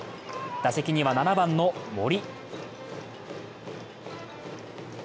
打席には７番の森。